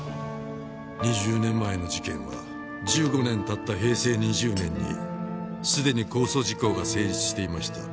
２０年前の事件は１５年経った平成２０年にすでに公訴時効が成立していました。